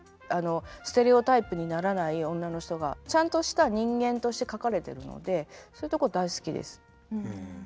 ステレオタイプにならない女の人がちゃんとした人間として描かれてるのでそういうとこ大好きです。